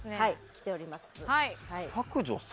きております。